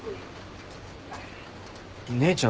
姉ちゃん